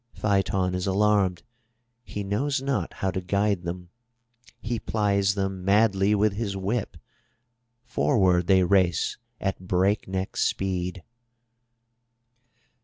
Phaeton is alarmed. He knows not how to guide them. He plies them madly with his whip. Forward they race at breakneck speed.